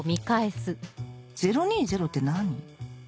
０２０って何？